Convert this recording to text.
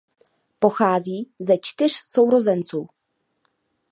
Pochází ze čtyř sourozenců.